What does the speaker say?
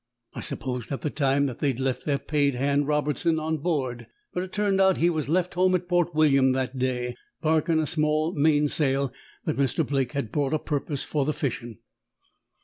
I supposed at the time they'd left their paid hand, Robertson, on board; but it turned out he was left home at Port William that day, barkin' a small mainsail that Mr. Blake had bought o' purpose for the fishin'.